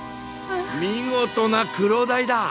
見事なクロダイだ！